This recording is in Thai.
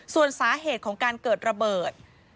ส่วนสาเหตุของการเกิดระเบิด